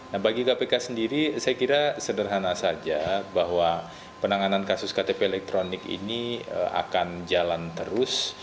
nah bagi kpk sendiri saya kira sederhana saja bahwa penanganan kasus ktp elektronik ini akan jalan terus